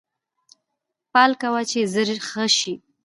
پال کوه چې زر ښه شې